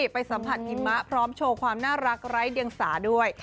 ไปสัมผัสหิมะพร้อมโชว์ความน่ารักไร้เดียงสาด้วย